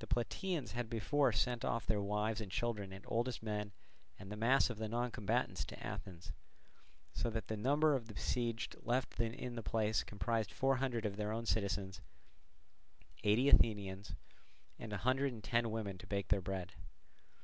The Plataeans had before sent off their wives and children and oldest men and the mass of the non combatants to Athens; so that the number of the besieged left in the place comprised four hundred of their own citizens, eighty Athenians, and a hundred and ten women to bake their bread.